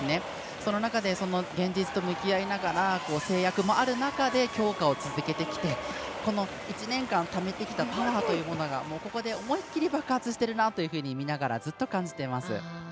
その中でその現実と向き合いながら制約もある中で強化を続けてきて、１年間ためてきたパワーというのがここで思い切り爆発してるなと見ながらずっと感じてます。